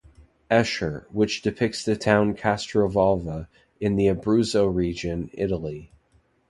Escher, which depicts the town Castrovalva in the Abruzzo region, Italy.